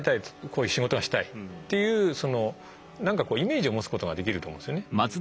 こういう仕事がしたいっていうなんかイメージを持つことができると思うんですよね。